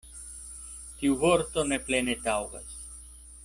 Tiu vorto ne plene taŭgas.